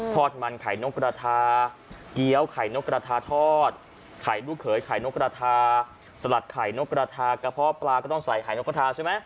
อดมันไข่นกกระทาเกี้ยวไข่นกกระทาทอดไข่ลูกเขยไข่นกกระทาสลัดไข่นกกระทากระเพาะปลาก็ต้องใส่ไข่นกกระทาใช่ไหม